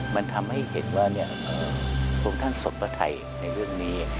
มันทำให้เห็นว่าพระองค์ท่านสมพระไทยในเรื่องนี้